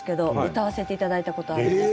歌わせていただいたことあります。